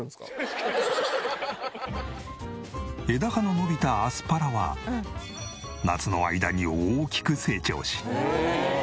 枝葉の伸びたアスパラは夏の間に大きく成長し。